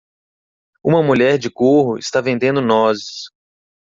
Uma mulher de gorro está vendendo nozes.